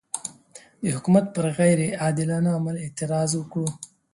د حکومت پر غیر عادلانه عمل اعتراض وکړو.